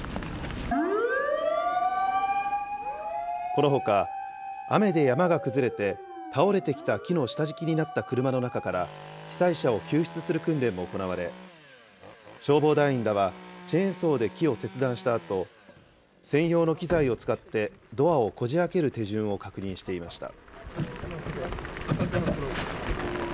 このほか、雨で山が崩れて、倒れてきた木の下敷きになった車の中から、被災者を救出する訓練も行われ、消防団員らは、チェーンソーで木を切断したあと、専用の機材を使ってドアをこじあける手順を確認していました。